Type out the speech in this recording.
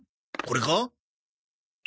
これか？